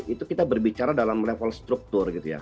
itu kita berbicara dalam level struktur gitu ya